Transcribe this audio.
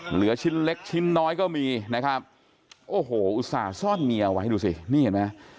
เหลือชิ้นเล็กชิ้นน้อยก็มีนะครับโอ้โหอุตส่าห์ซ่อนเมียเอาไว้ดูสินี่เห็นไหม